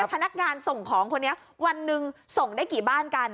พนักงานส่งของคนนี้วันหนึ่งส่งได้กี่บ้านกัน